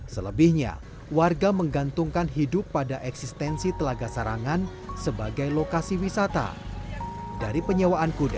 selebihnya warga menggantungkan hidup pada eksistensi telaga sarangan sebagai lokasi wisata dari penyewaan kuda